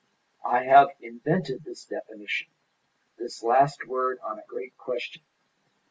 "I have invented this definition, this last word on a great question.